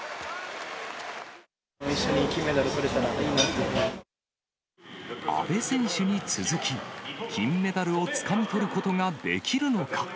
一緒に金メダルとれたらいい阿部選手に続き、金メダルをつかみ取ることができるのか。